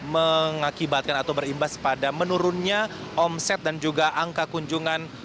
mengakibatkan atau berimbas pada menurunnya omset dan juga angka kunjungan